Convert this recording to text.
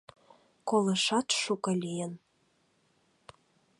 Колышат шуко лийын.